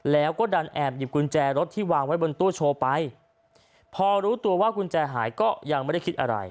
แล้วก็ดันแอบหยิบกุญแจรถที่วางไว้บนตู้โชว์ไปพอรู้ตัวว่ากุญแจหายก็ยังไม่ได้คิดอะไร